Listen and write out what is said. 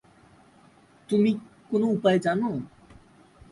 তুমি কোনো উপায় জানো?